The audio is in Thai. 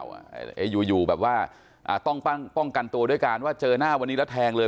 แม้อยู่แบบว่าต้องป้องกันตัวด้วยการว่าเจอหน้าวันนี้แล้วแทงเลย